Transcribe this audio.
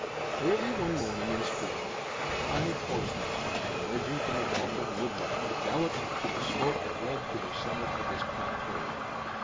Early one morning in spring, five horsemen, emerging from a belt of woodland, galloped to the slope that led to the summit of this plateau.